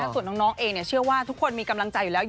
ส่วนน้องเองเชื่อว่าทุกคนมีกำลังใจอยู่แล้ว